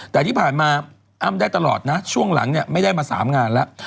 แต่ที่ผ่านมาอ้ำได้ตลอดนะช่วงหลังเนี่ยไม่ได้มา๓งานแล้ว